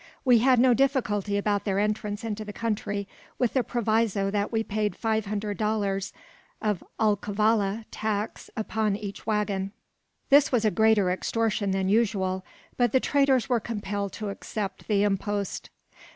We had no difficulty about their entrance into the country, with the proviso that we paid five hundred dollars of "Alcavala" tax upon each waggon. This was a greater extortion than usual; but the traders were compelled to accept the impost.